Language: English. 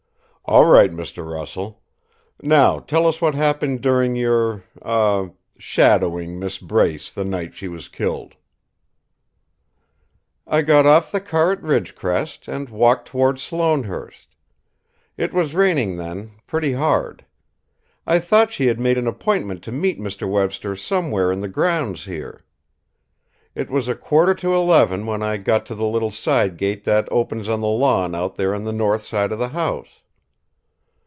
"All right, Mr. Russell. Now, tell us what happened during your ah shadowing Miss Brace the night she was killed." "I got off the car at Ridgecrest and walked toward Sloanehurst. It was raining then, pretty hard. I thought she had made an appointment to meet Mr. Webster somewhere in the grounds here. It was a quarter to eleven when I got to the little side gate that opens on the lawn out there on the north side of the house."